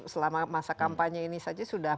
selama masa kampanye ini saja sudah